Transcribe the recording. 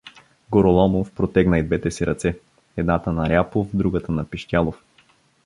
Гороломов протегна и двете си ръце — едната на Ряпов, другата на Пищялов.